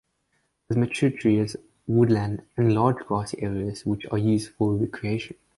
With mature trees, woodland, and large grassy areas which are used for recreation.